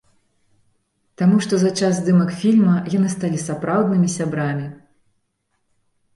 Таму што за час здымак фільма яны сталі сапраўднымі сябрамі.